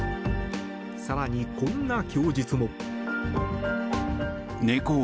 更に、こんな供述も。